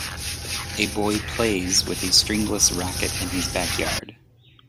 A boy playes with a stringless racket in his backyard